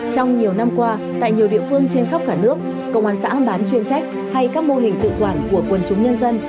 trong nhiều năm qua tại nhiều địa phương trên khắp cả nước công an sản bán chân trách hay các mô hình tự quản của quân chúng nhân dân